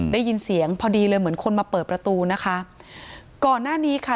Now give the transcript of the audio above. ได้ยินเสียงพอดีเลยเหมือนคนมาเปิดประตูนะคะก่อนหน้านี้ค่ะ